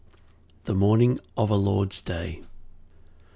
The morning of a Lord's day.